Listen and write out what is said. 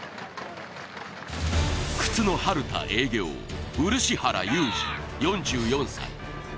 靴のハルタ営業、漆原裕治４４歳。